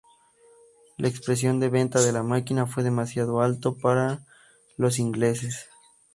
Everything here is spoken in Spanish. El precio de venta de la máquina fue demasiado alto para los ingleses.